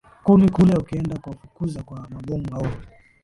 kumi kule ukienda kuwafukuza kwa mabomu au